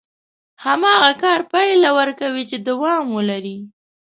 هماغه کار پايله ورکوي چې دوام ولري.